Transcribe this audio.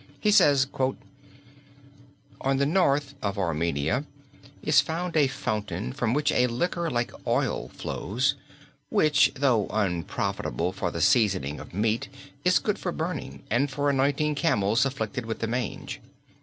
He says: "On the north (of Armenia) is found a fountain from which a liquor like oil flows, which, though unprofitable for the seasoning of meat, is good for burning and for anointing camels afflicted with the mange.